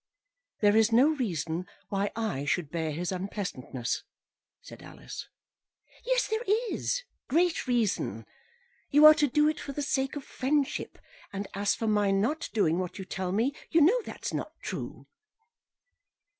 "There is no reason why I should bear his unpleasantness," said Alice. "Yes, there is, great reason. You are to do it for the sake of friendship. And as for my not doing what you tell me, you know that's not true."